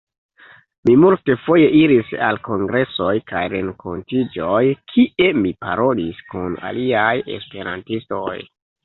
Mi multfoje iris al kongresoj kaj renkontiĝoj, kie mi parolis kun aliaj esperantistoj.